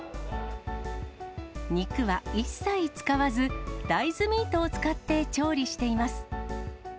肉は一切使わず、大豆ミートを使って調理しています。